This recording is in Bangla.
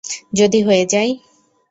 যদি হয়ে যাই?